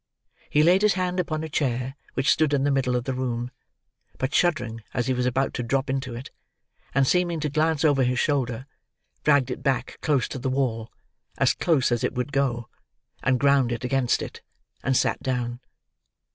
He laid his hand upon a chair which stood in the middle of the room, but shuddering as he was about to drop into it, and seeming to glance over his shoulder, dragged it back close to the wall—as close as it would go—and ground it against it—and sat down.